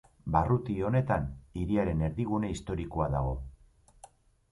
Barruti honetan hiriaren erdigune historikoa dago.